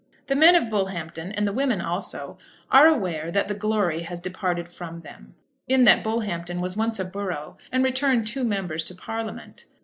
The men of Bullhampton, and the women also, are aware that the glory has departed from them, in that Bullhampton was once a borough, and returned two members to Parliament.